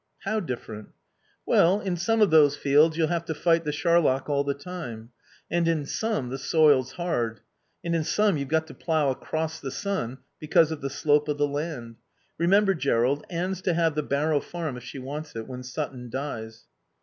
"How different?" "Well, in some of those fields you'll have to fight the charlock all the time. And in some the soil's hard. And in some you've got to plough across the sun because of the slope of the land... Remember, Jerrold, Anne's to have the Barrow Farm, if she wants it, when Sutton dies."